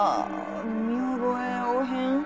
見覚えおへん。